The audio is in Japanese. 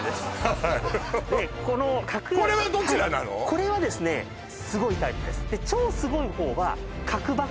これはですねすごいタイプです